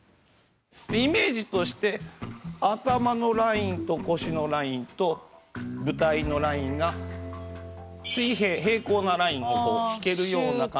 イメージとして頭のラインと腰のラインと舞台のラインが水平平行なラインを引けるような感じ。